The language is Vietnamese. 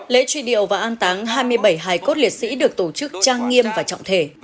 lễ truy điệu và an táng hai mươi bảy hải cốt liệt sĩ được tổ chức trang nghiêm và trọng thể